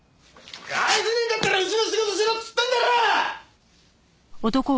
返せねえんだったらうちの仕事しろっつってんだろ！